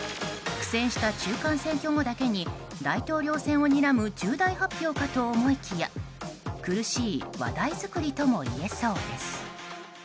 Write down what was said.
苦戦した中間選挙後だけに大統領選をにらむ重大発表かと思いきや苦しい話題作りともいえそうです。